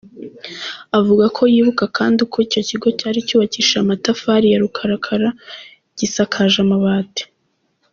Avuga ko yibuka kandi uko icyo kigo cyari cyubakishije amatafari ya rukarakara, gisakaje amabati.